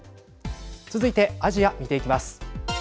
続いて、アジア見ていきます。